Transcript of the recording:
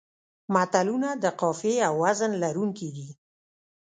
متلونه د قافیې او وزن لرونکي دي